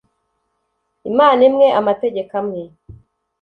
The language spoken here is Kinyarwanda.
Imana imwe, Amategeko amwe.